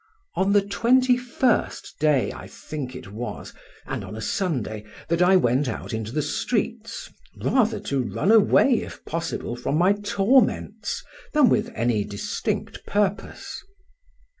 On the twenty first day I think it was, and on a Sunday, that I went out into the streets, rather to run away, if possible, from my torments, than with any distinct purpose.